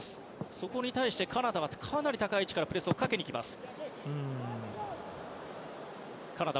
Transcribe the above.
そこに対してカナダは、かなり高い位置からプレスをかけにきました。